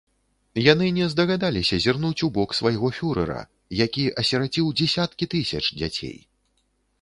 Яны не здагадаліся зірнуць у бок свайго фюрэра, які асіраціў дзесяткі тысяч дзяцей.